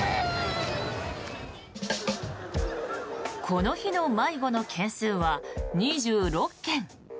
この日の迷子の件数は２６件。